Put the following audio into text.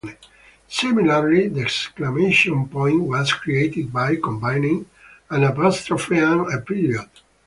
Similarly, the exclamation point was created by combining an apostrophe and a period.